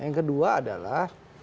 yang kedua adalah